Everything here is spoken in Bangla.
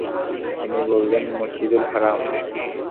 তিনি বললেন, মসজিদুল হারম।